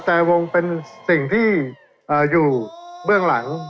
แต่วงเป็นสิ่งที่อยู่เบื้องหลัง